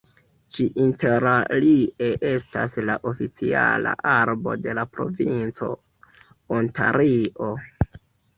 Ĝi interalie estas la oficiala arbo de la provinco Ontario.